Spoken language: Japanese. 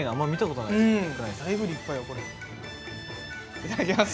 いただきます。